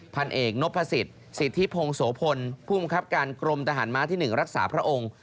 พันเอกนพสิทธิ์สิทธิพงศ์โสพลผู้บังคับการกรมทหารม้าที่๑รักษาพระองค์